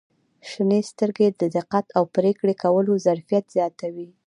• شنې سترګې د دقت او پرېکړې کولو ظرفیت زیاتوي.